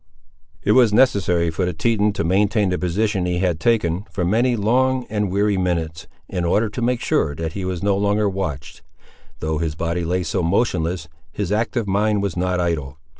It was necessary for the Teton to maintain the position he had taken, for many long and weary minutes, in order to make sure that he was no longer watched. Though his body lay so motionless, his active mind was not idle.